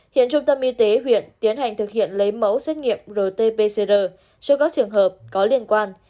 hiện trung tâm y tế huyện tiến hành thực hiện lấy mẫu xét nghiệm rt pcr cho các trường hợp có liên quan